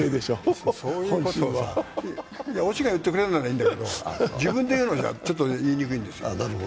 オチが言ってくれるんだったらいいけど、自分で言うのはちょっと言いにくいんですよ。